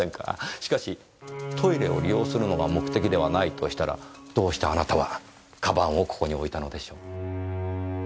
しかしトイレを利用するのが目的ではないとしたらどうしてあなたは鞄をここに置いたのでしょう？